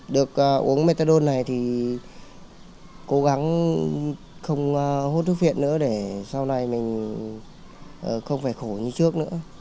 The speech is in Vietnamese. được uống methadone này thì cố gắng không hút thuốc viện nữa để sau này mình không phải khổ như trước nữa